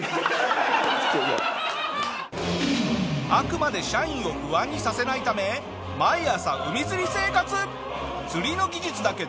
あくまで社員を不安にさせないため毎朝海釣り生活。